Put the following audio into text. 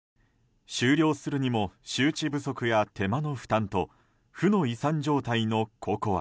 終了するにも周知不足や手間の負担と負の遺産状態のＣＯＣＯＡ。